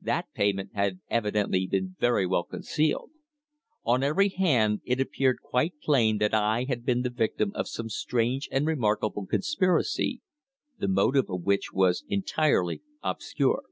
That payment had evidently been very well concealed. On every hand it appeared quite plain that I had been the victim of some strange and remarkable conspiracy, the motive of which was entirely obscure.